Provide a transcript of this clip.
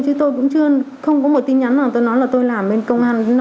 chứ tôi cũng chưa không có một tin nhắn nào tôi nói là tôi làm bên công an với nội thi tiện